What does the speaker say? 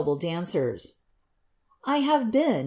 je dancers." "I have been."